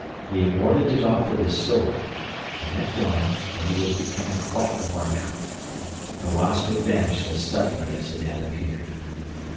He had warded it off with his sword, and at dawn, when he was becoming quite worn out, the wasp had vanished as suddenly as it had appeared.